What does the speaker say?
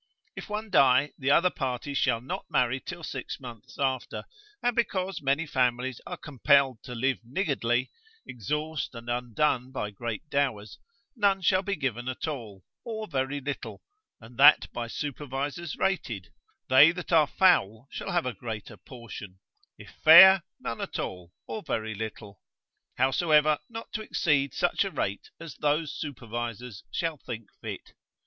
If one die, the other party shall not marry till six months after; and because many families are compelled to live niggardly, exhaust and undone by great dowers, none shall be given at all, or very little, and that by supervisors rated, they that are foul shall have a greater portion; if fair, none at all, or very little: howsoever not to exceed such a rate as those supervisors shall think fit.